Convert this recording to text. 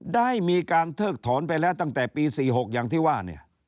ได้มีการเพิกถอนไปแล้วตั้งแต่ปี๔๖อย่างที่ว่าเนี่ย